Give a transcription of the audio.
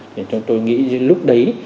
thì chúng tôi nghĩ lúc đấy